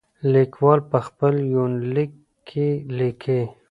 ليکوال په خپل يونليک کې ليکي.